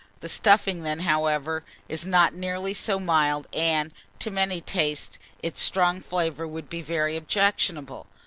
The stuffing then, however, is not nearly so mild, and, to many tastes, its strong flavour would be very objectionable.